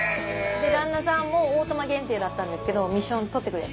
旦那さんもオートマ限定だったんですけどミッション取ってくれて。